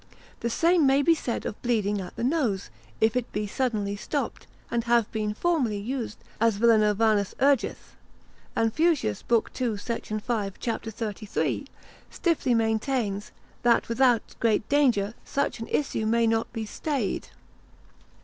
The same may be said of bleeding at the nose, if it be suddenly stopped, and have been formerly used, as Villanovanus urgeth: And Fuchsius, lib. 2. sect. 5. cap. 33, stiffly maintains, That without great danger, such an issue may not be stayed.